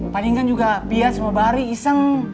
palingan juga biar semua bari iseng